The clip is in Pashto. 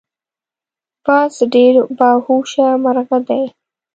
باز ډیر باهوشه مرغه دی